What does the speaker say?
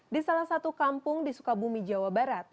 di salah satu kampung di sukabumi jawa barat